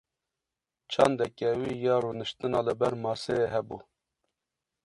Çandeke wî ya rûniştina li ber maseyê hebû.